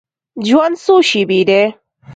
ژوند څو شیبې دی.